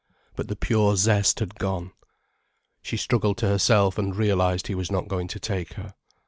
But the pure zest had gone. She struggled to herself and realized he was not going to take her.